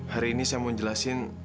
hari ini saya mau jelasin